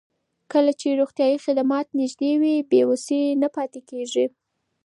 کله چې روغتیايي خدمات نږدې وي، بې وسۍ نه پاتې کېږي.